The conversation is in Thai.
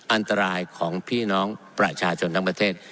อันตรายของพี่น้องประชาชนทั้งประเทศ